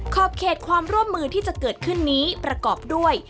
ขอบเขตความร่วมมือที่จะเกิดขึ้นนี้ประกอบด้วย